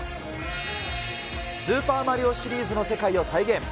スーパーマリオシリーズの世界を再現。